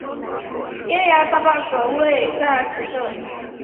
耶涯大坝则位在此镇。